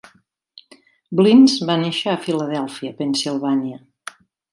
Blinns va néixer a Filadèlfia, Pennsilvània.